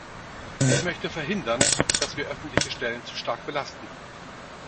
Ich möchte verhindern, dass wir öffentliche Stellen zu stark belasten.